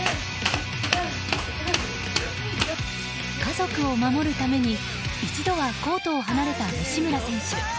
家族を守るために一度はコートを離れた西村選手。